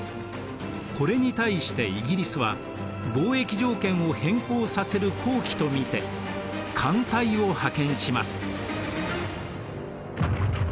これに対してイギリスは貿易条件を変更させる好機と見て艦隊を派遣します。